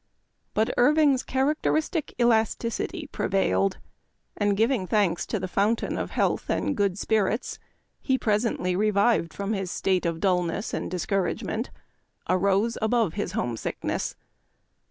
But Irving's characteristic elasticity pre vailed, and, giving thanks to the "fountain of Memoir of Washington Irving. 3 1 health and good spirits," he presently revived from his state of dullness and discouragement — arose above his homesickness.